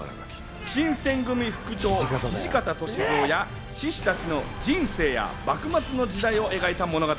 新選組副長・土方歳三や志士たちの人生や幕末の時代を描いた物語。